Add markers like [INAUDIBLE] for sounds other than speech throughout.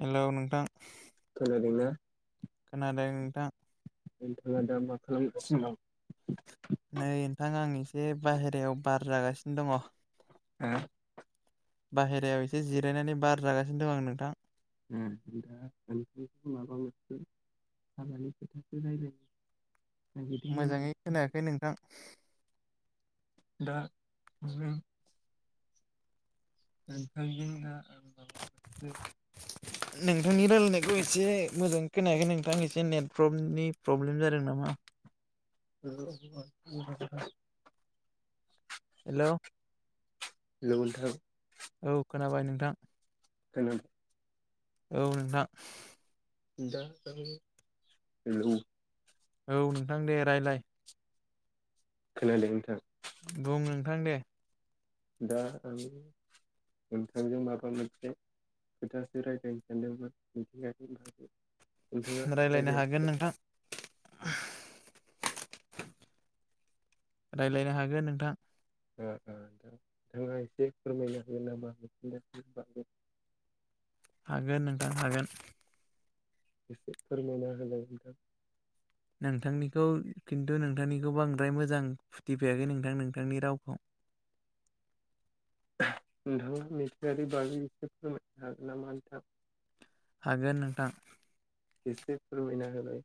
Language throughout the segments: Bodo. हेलौ नोंथां खोनादोंना खोनादों नोंथां नोंथाङा दा मा खालामगासि दं? नै नोंथां आं एसे बाहेरायाव बार जागासिनो दङ ओ बाहेरायाव एसे जिरायनानै बार जागासिनो दं आं नोंथां ओ जिरायदों मोजाङै खोनायाखै नोंथां दा से नोंथांनि रायलायनायखौ एसे मोजाङै खोनायाखै नोंथां एसे नेटवर्कनि प्रब्लेम जादों नामा हेलौ हेलौ हेलौ नोंथां औ खोनाबाय नोंथां खोनादों औ नोंथां दा आं हेलौ औ नोंथां दे रायलाय खोनादों नोंथां बुं नोंथां दे दा आं नोंथांजों माबा मोनसे खोथासो रायज्लायनो सानदोंमोन मिथिंगानि बागै नोंथाङा रायलायनो हागोन रायज्लायनो नोंथां ओ रायलायनो हागोन नोंथां ओ दा नोंथाङा एसे फोरमायनो हागोन नामा मिथिंगानि बागै? हागोन नोंथां हागोन एसे फोरमायना होलाय नोंथां नोंथांनिखौ खिनथु नोंथांनिखौ बांद्राय मोजां फुथिफैयाखै नोंथां नोंथांनि रावखौ [INAUDIBLE] नोंथाङा [UNINTELLIGIBLE] हागोन नामा नोंथां हागोन नोंथां एसे फोरमायना होलाय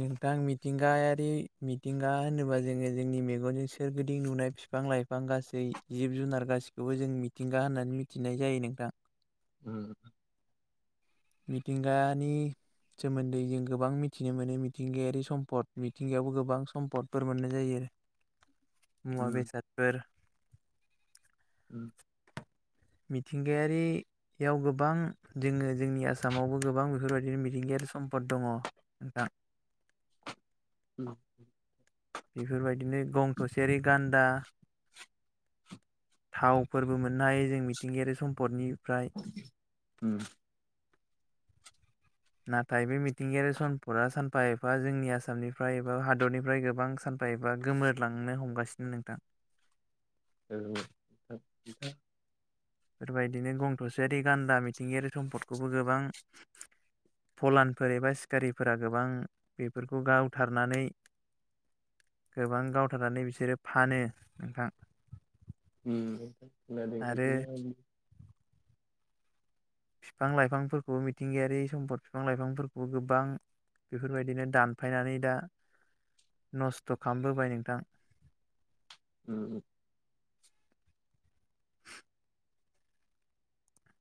नोंथां मिथिंगायारि मिथिंगा होनोबा जोङो जोंनि मेगनजों सोरगिदिं नुनाय बिफां लाइफां गासै जिब जुनार गासैखौबो जों मिथिंगा होननानै मिथिनाय जायो नोंथां उम मिथिंगानि सोमोन्दै जों गोबां मिथिनो मोनो मिथिंगायारि सम्पद मिथिंगायावबो गोबां सम्पदफोर मोननाय जायो [INAUDIBLE] मुवा उम बेसादफोर उम मिथिंगायारियाव गोबां जोङो जोंनि आसामावबो गोबां बेफोरबायदिनो मिथिंगायारि सम्पद दङ नोंथां उम बेफोरबायदिनो गं थसेयारि गानदा थावफोरबो मोननो हायो जों मिथिंगायारि सम्पदनिफ्राय उ नाथाय बे मिथिंगायारि समपदा सानफा एफा जोंनि आसामनिफ्राय एबा हादरनिफ्राय गोबां सानफा गोमोरलांनो हमगासिनो नोंथां औ बेफोरबायदिनो गं थसेयारि गान्दा मिथिंगायारि सम्पदखौबो गोबां फलानफोर एबा सिखारिफोरा गोबां बेफोरखौ गावथारनानै गोबां गावथारनानै बिसोरो फानो नोंथां उम आरो [INAUDIBLE] बिफां लाइफांफोरखौ मिथिंगायारि सम्फद बिफां लाइफांफोरखौबो गोबां बेफोरबायदिनो दानफायनानै दा नस्थ' खालामबोबाय नोंथां उ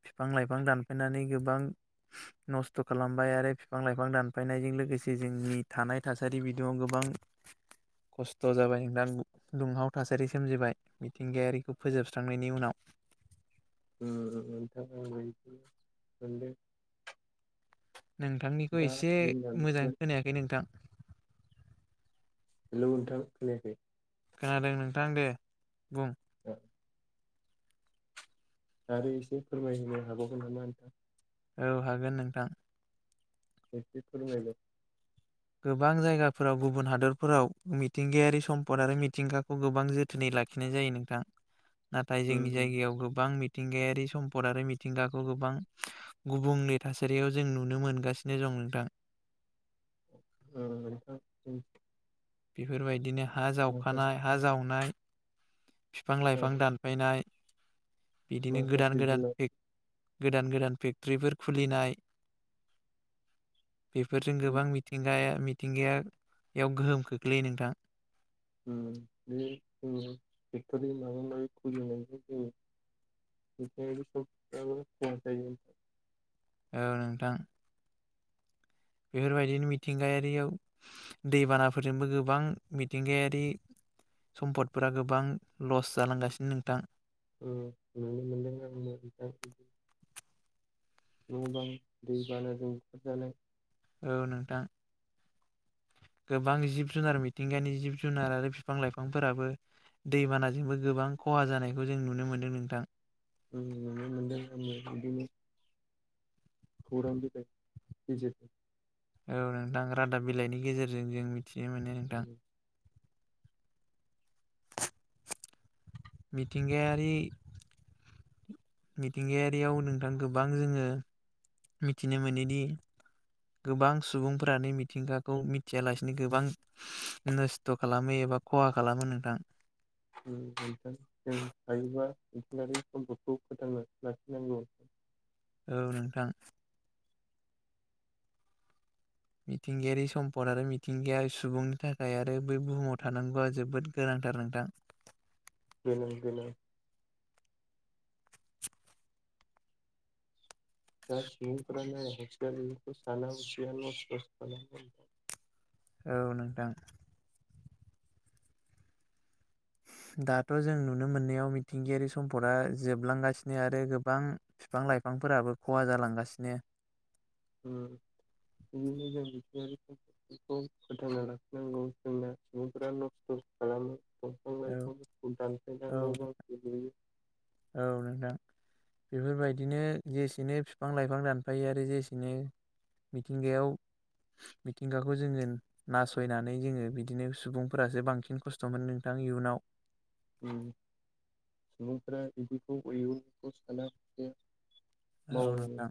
बिफां लाइफां दानफायनानै गोबां नस्थ' खालामबाय आरो बिफां लाइफां दानफायनायजों लोगोसे जोंनि थानाय थासारि बिदुङा गोबां बां खस्थ' जाबाय नोंथां दुंहाव थासारि सोमजिबाय मिथिंगायारिखौ फोजोबस्रांनायनि उनाव [UNINTELLIGIBLE] नोंथांनिखौ दा एसे जोंना मोजां मिथिंगा खोनायाखै नोंथां हेल' नोंथां खोनायाखै खोनादों नोंथां दे बुं [INAUDIBLE] आरो एसे फोरमायनो हाबावगोन नामा नोंथां? औ हागोन नोंथां [UNINTELLIGIBLE] फोरमायदो गोबां जायगाफोराव गुबुन हादरफोराव मिथिंगायारि समपद आरो मिथिंगाखौ गोबां जोथोनै लाखिनाय जायो नोंथां नाथाय उम जोंनि उम जायगायाव गोबां मिथिंगायारि सम्पद आरो मिथिंगाखौ गोबां गुबुंले थासारियाव जों नुनो मोनगासिनो दं। नोंथां अ नोंथां बेफोरबायदिनो हा माखासे जावखानाय हा जावनाय बिफां लाइफां दानफायनाय बिदिनो गोदान माखासे गोदान जुनार पेग गोदान गोदान फेक्ट'रिफोर खुलिनाय बेफोरजों गोबां मिथिंगाया मिथिंगायाव गोहोम खोख्लैयो नोंथां बे ओ फेक्ट'रिं माबा माबि खुलिनाय [UNINTELLIGIBLE] औ नोंथां। बेफोरबायदिनो मिथिंगायारियाव दैबानाफोरजोंबो गोबां मिथिंगायारि समपदफोरा गोबां लस जालांगासिनो नोंथां। [UNINTELLIGIBLE] न' बां दै बानो बुखार जानाय औ नोंथां। गोबां जिब जुनार मिथिंगानि जिब जुनार आरो बिफां लाइफांफोराबो दैबानाजोंबो गोबां खहा जानायखौ जों नुनो मोनो नोंथां। उम नुनो मोनदों आंबो बिदिनो खौरां बिलाइफोरनि गेजेरजों औ नोंथां रादाब बिलाइनि गेजेरजों जों मिथिनो मोनो नोंथां मिथिंगायारि मिथिंगायारियाव नोंथां गोबां जोङो मिथिनो मोनोदि। गोबां सुबुंफोरानो मिथिंगाखौ मिथियालासिनो गोबां नस्थ' खालामो ए बा खहा खालामो नोंथां। उम नोंथां जों हायोबा मिथिंगायारि सम्फदखौ फोथांसो लाखिनांगौ। [UNINTELLIGIBLE] औ नोंथां। मिथिंगायारि सम्पद आरो मिथिंगाया सुबुंनि थाखाय आरो बै बुहुमाव थानांगौआ जोबोद गोनां। थार नोंथां गोनां गोनां। दा सुबुंफोरा नाय [UNINTELLIGIBLE] साना हसिया नस्ट' खालाम औ नोंथां। [UNINTELLIGIBLE] दाथ' जों नुनो मोननायाव मिथिंगायारि सम्फदा जोबलांगासिनो आरो गोबां बिफां-लाइफां फोराबो खहा जालांगासिनो उम। बिदिनो जों मिथिंगायारि समपदफोरखौ फोथांना लाखिनांगौ जोंना सुबुंफोरा नस्थ'। खालामो दंफां औ लाइफांफोरखौ दानफायना औ न' बांखौ लुयो औ नोंथां। बेफोरबायदिनो जेसेनो बिफां लाइफां दानफायो आरो जेसेनो। मिथिंगायाव मिथिंगाखौ जोङो नासयनानै जोङो बिदिनो सुबुंफोरासो बांसिन खस्थ' मोनो नोंथां। आं इयुनाव। उम सुबुंफ्रा बिदिखौ युनखौ साना हसिया औ नोंथां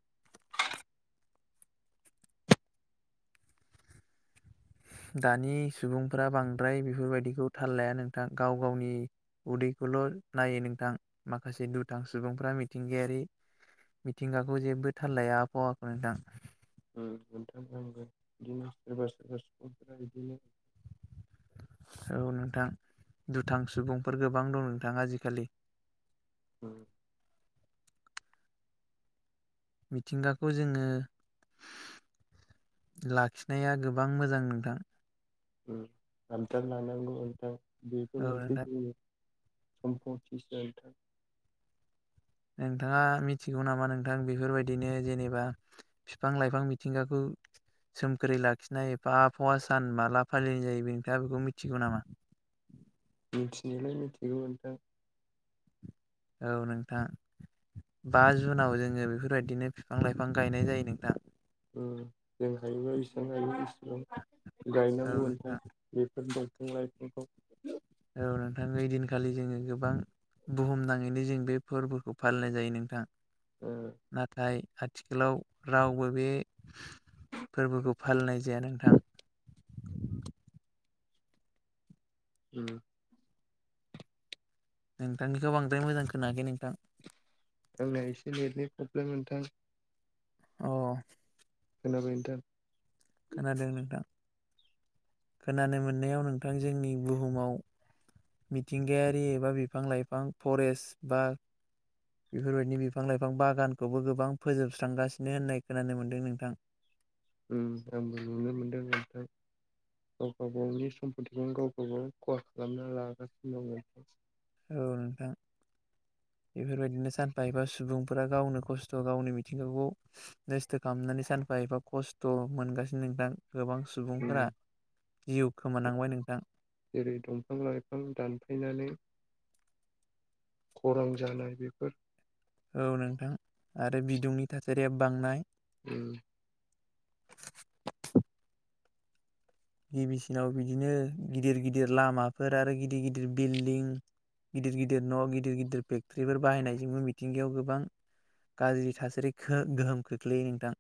दानि सुबुंफोरा बांद्राय बेफोरबायदिखौ थाल लाया नोंथां गाव गावनि। उदैखौल' नायो नोंथां माखासे दुथां सुबुंफ्रा मिथिंगायारि मिथिंगाखौ जेबो थाल लाया आबहावाखौ नोंथां। उम नोंथां नंगौ बिदिनो सोरबा सोरबा सुबुंफोरा बिदिनो। औ नोंथां दुथां सुबुंफोर गोबां दं नोंथां आजिखालि उम। मिथिंगाखौ जोङो। लाखिनाया गोबां मोजां नोंथां। उम आबदाल लानांगौ नोंथां बेबो औ मोनसे नोंथां जोंनि। समफथिसो नोंथां। नोंथाङा मिथिगौ नामा नोंथां बेफोरबायदिनो जेनेबा बिफां लाइफां मिथिंगाखौ। सोमखोरै लाखिनाय एफा आबहावा सान माला फालिनाय जायो नोंथाङा बेखौ मिथिगौ नामा? मिथिनायलाय मिथिगौमोन नोंथां। औ नोंथां बा जुनाव जोङो बेफोरबायदिनो बिफां लाइफां गायनाय जायो नोंथां ओम जों हायोबा इसेबां हायो गायनांगौ नोंथां बेफोर दंफां लाइफांखौ औ नोंथां ओइ दिनखालि जोनि गोबां बुहुम नाङैनो जों बे फोरबोखौ फालिनाय जायो नोंथां ओ नाथाय आथिखालाव रावबो बे फोरबोखौ फालिनाय जाया नोंथां [INAUDIBLE] उम नोंथांनिखौ बांद्राय मोजां खोनाखै नोंथां आंना एसे नेटनि प्रब्लेम नोंथां अ खोनाबाय नोंथां खोनादों नोंथां खोनानो मोननायाव नोंथां जोंनि बुहुमाव मिथिंगायारि एबा बिफां लाइफां फरेस्ट बा बेफोरबायदि बिफां लाइफां बागानखौबो गोबां फोजोबस्रांगासिनो होननाय खोनानो मोन्दों नोंथां उम आंबो नुनो मोनदों नोंथां गाव गावबा-गावनि नि सम्पतिजों गाव गावबागाव खहा खालामना लागासिनो दङ औ नोंथां [INAUDIBLE] बेफोरबायदिनो सानफा एफा सुबुंफोरा गावनो खस्थ गावनि मिथिंगाखौ नस्थ खालामनानै सानफा एफा खस्थ मोनगासिनो नोंथां गोबां सुबुंफोरा उम जिउ खोमानांबाय नोंथां जेरै दंफां लाइफां दानफायनानै खरां जानाय बेफोर औ नोंथां आरो बिदुंनि थासारिया बांनाय उम गिबिसिनाव बिदिनो गिदिर गिदिर लामाफोर आरो गिदिर गिदिर बिल्डिं गिदिर गिदिर न गिदिर गिदिर फेक्टर्रिफोर बाहायनायजोंबो मिथिंगायाव गोबां गाज्रि थासारि गोहोम खोख्लैयो नोंथां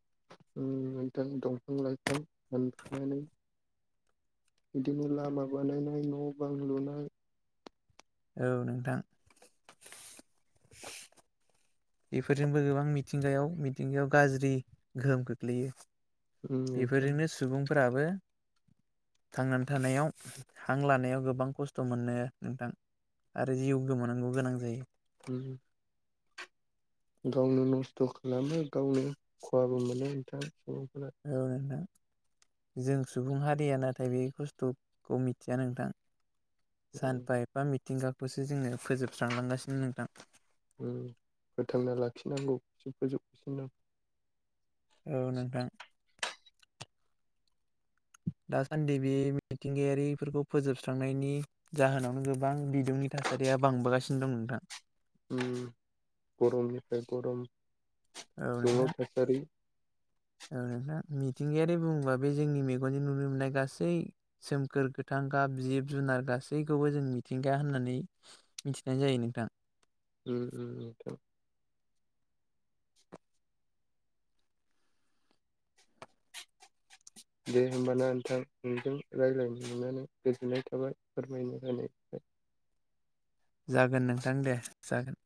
ओ नोंथां दंफां लाइफां दानफायनानै बिदिनो लामा बानायनाय न बां लुनाय औ नोंथां बेफोरजोंबो गोबां मिथिंगायाव मिथिंगायाव गाज्रि गोहोम खख्लैयो उम नोंथां बेफोरजोंनो सुबुंफोराबो थांनानै थानायाव हां लानायाव गोबां खस्थ मोनो नोंथां आरो जिउ गोमानांगौ गोनां जायो उम गावनो नस्थ खालामो गावनो खहाबो मोनो नोंथां औ नोंथां जों सुबुं हारिया नाथाय बे खस्थखौ मिथिया नोंथां उम सानफा एफा मिथिंगाखौसो जोंनो फोजोबस्रांलांगासिनो नोंथां फोथांना लाखिनांगौआ फोजोबगासिनो औ नोंथां दासान्दि बे मिथिंगायारिफोरखौ फोजोबस्रांनायनि जाहोनावनो गोबां बिदुंनि थाखाय थासारिया बांबोगासिनो दं नोंथां गरमनिफ्राय गरम औ दुंहाव नोंथां थासारि औ नोंथां मि मिथिंगायारि बुङोबा बे जोंनि मेगनजों नुनो मोननाय गासै सोमखोर गोथां गाब जिब जुनार गा गासैखौबो जों मिथिंगाया होननानै मिथिनाय जायो नोंथां उम उम उम नोंथां। दे होमबाना नोंथां नोंजों रायज्लायनो मोननानै गोजोननाय थाबाय फोरमायनो होनाय। जागोन नोंथां दे जागोन।